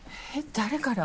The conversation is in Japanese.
誰から？